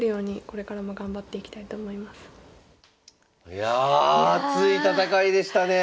いや熱い戦いでしたね。